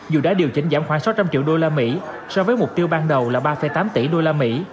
dù đã điều chỉnh giảm khoảng sáu trăm linh triệu usd so với mục tiêu ban đầu là ba tám tỷ usd